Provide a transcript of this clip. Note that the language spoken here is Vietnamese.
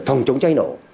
phòng chống cháy nổ